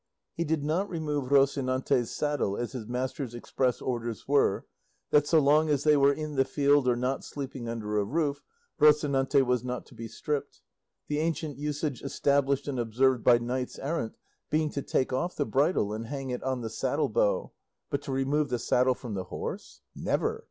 He did not remove Rocinante's saddle, as his master's express orders were, that so long as they were in the field or not sleeping under a roof Rocinante was not to be stripped the ancient usage established and observed by knights errant being to take off the bridle and hang it on the saddle bow, but to remove the saddle from the horse never!